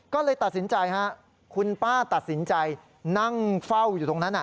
ก็เลยตัดสินใจฮะคุณป้าตัดสินใจนั่งเฝ้าอยู่ตรงนั้น